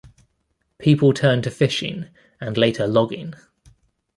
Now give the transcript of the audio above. People turned to fishing, and later logging.